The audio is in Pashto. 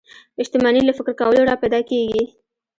شتمني له فکر کولو را پيدا کېږي.